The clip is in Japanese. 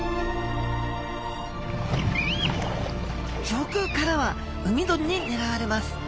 上空からは海鳥にねらわれます。